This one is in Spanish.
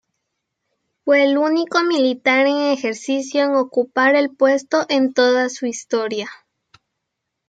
Fue el único militar en ejercicio en ocupar el puesto en toda su historia.